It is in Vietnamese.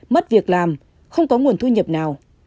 mất việc làm không có nguồn thu nhập nào